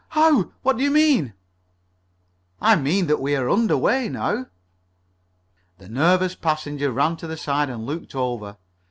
How? What do you mean?" "I mean that we're under way now." The nervous passenger ran to the side and looked over.